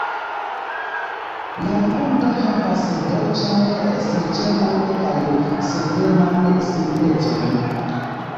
La rakonto havas dolĉan, ŝerceman kaj senteman simplecon.